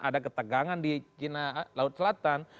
ada ketegangan di laut selatan